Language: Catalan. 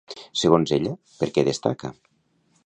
Segons ella, per què destaca?